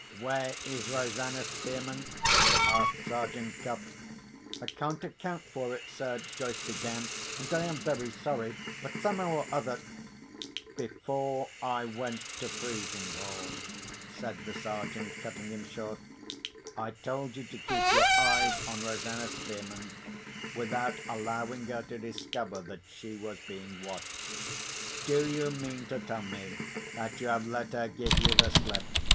"Where is Rosanna Spearman?" asked Sergeant Cuff. "I can't account for it, sir," Joyce began; "and I am very sorry. But somehow or other——" "Before I went to Frizinghall," said the Sergeant, cutting him short, "I told you to keep your eyes on Rosanna Spearman, without allowing her to discover that she was being watched. Do you mean to tell me that you have let her give you the slip?"